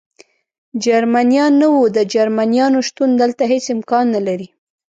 جرمنیان نه و، د جرمنیانو شتون دلته هېڅ امکان نه لري.